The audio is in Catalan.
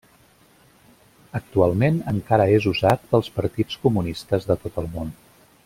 Actualment encara és usat pels partits comunistes de tot el món.